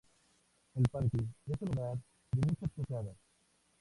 El parque es el hogar de muchas cascadas.